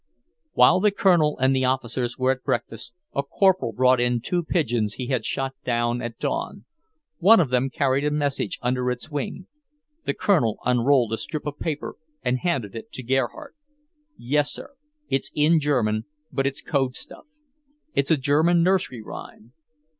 While the Colonel and the officers were at breakfast, a corporal brought in two pigeons he had shot at dawn. One of them carried a message under its wing. The Colonel unrolled a strip of paper and handed it to Gerhardt. "Yes, sir, it's in German, but it's code stuff. It's a German nursery rhyme.